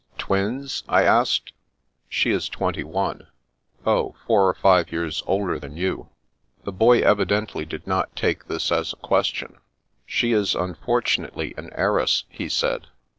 "Twins?" I asked. " She is twenty one." " Oh, four or five years older than you." The boy evidently did not take this as a question. " She is unfortunately an heiress," he said.